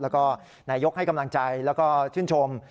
แล้วก็นายกให้กำลังใจแล้วก็ชื่นชม